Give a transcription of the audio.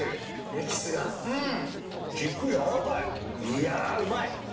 いやうまい！